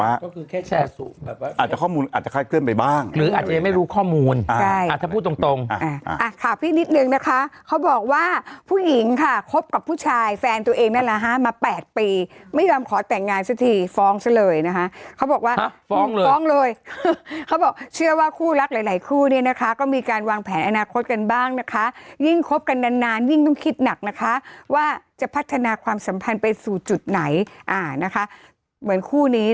อาจจะข้อมูลอาจจะข้าดเพื่อนไปบ้างหรืออาจจะยังไม่รู้ข้อมูลอาจจะพูดตรงขอบพี่นิดนึงนะคะเขาบอกว่าผู้หญิงค่ะคบกับผู้ชายแฟนตัวเองนั่นละฮะมา๘ปีไม่ยอมขอแต่งงานซะทีฟ้องซะเลยนะคะเขาบอกว่าฟ้องเลยเขาบอกเชื่อว่าคู่รักหลายคู่เนี่ยนะคะก็มีการวางแผนอนาคตกันบ้างนะคะยิ่งคบกันนานยิ่งต้องคิ